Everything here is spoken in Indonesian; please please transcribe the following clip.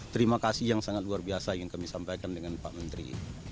terima kasih yang sangat luar biasa ingin kami sampaikan dengan pak menteri